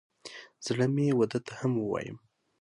زړه مې و ده ته هم ووایم.